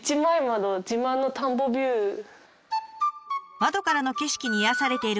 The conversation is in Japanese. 窓からの景色に癒やされている